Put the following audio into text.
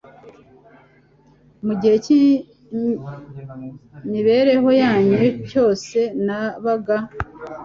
Mu gihe cy'imibereho yanyu cyose nabaga